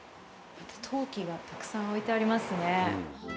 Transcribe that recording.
陶器がたくさん置いてありますね。